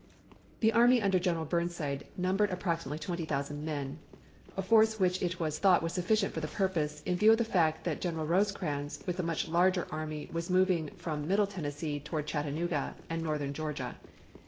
The army under General Burnside numbered approximately twenty thousand men, a force which it was thought was sufficient for the purpose in view of the fact that General Rosecrans with a much larger army was moving from middle Tennessee toward Chattanooga and northern Georgia.